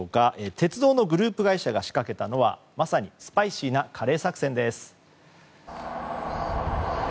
鉄道のグループ会社が仕掛けたのはまさにスパイシーなカレー作戦です。